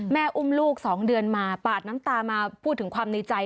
อุ้มลูก๒เดือนมาปาดน้ำตามาพูดถึงความในใจ